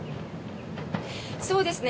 そうですね。